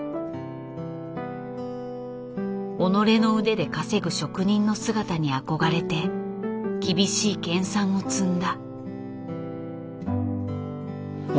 己の腕で稼ぐ職人の姿に憧れて厳しい研鑽を積んだ。